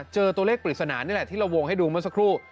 จะที่โรงให้ดูมาสักครู